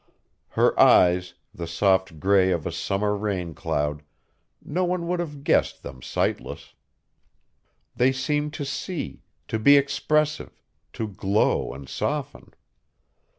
Her eyes, the soft gray of a summer rain cloud no one would have guessed them sightless. They seemed to see, to be expressive, to glow and soften.